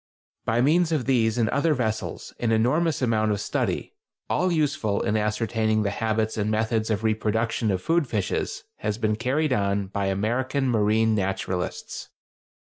By means of these and other vessels an enormous amount of study—all useful in ascertaining the habits and methods of reproduction of food fishes—has been carried on by American marine naturalists.